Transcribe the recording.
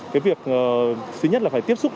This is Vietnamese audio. cái việc thứ nhất là phải tiếp xúc